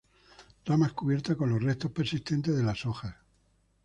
Ramas cubiertas con los restos persistentes de las hojas.